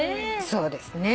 そうですね。